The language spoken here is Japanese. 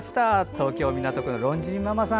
東京・港区のロンジンママさん。